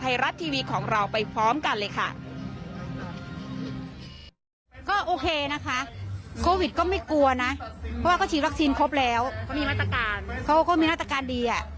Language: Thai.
เพราะว่าก็ฉีดลักษณ์ครบแล้วเขาก็มีมาตรการเขาก็มีมาตรการดีอ่ะ